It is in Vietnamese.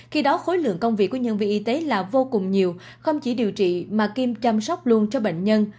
khi đó khối lượng công việc của nhân viên y tế là vô cùng nhiều không chỉ điều trị mà kiêm chăm sóc luôn cho bệnh nhân